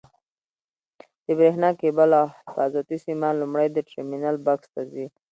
د برېښنا کېبل او حفاظتي سیمان لومړی د ټرمینل بکس ته ځي.